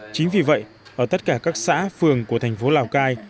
chính vì vậy ở tất cả các xã phường của thành phố lào cai